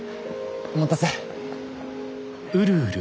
お待たせ。